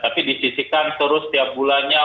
tapi disisihkan terus tiap bulannya